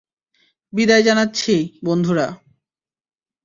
বিদায় জানাচ্ছি, বন্ধুরা!